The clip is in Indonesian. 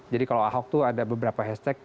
jadi kalau ahok tuh ada beberapa hashtag